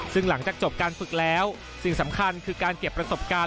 ซึ่งหลังจากจบการฝึกแล้วสิ่งสำคัญคือการเก็บประสบการณ์